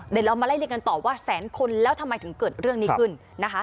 เดี๋ยวเรามาไล่เรียนกันต่อว่าแสนคนแล้วทำไมถึงเกิดเรื่องนี้ขึ้นนะคะ